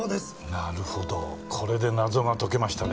なるほどこれで謎が解けましたね。